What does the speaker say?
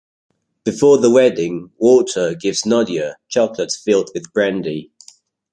Before the wedding, Walter gives Nadia chocolates filled with brandy.